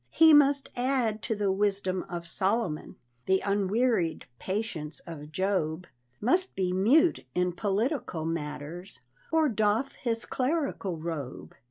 He must add to the wisdom of Solomon The unwearied patience of Job, Must be mute in political matters, Or doff his clerical robe.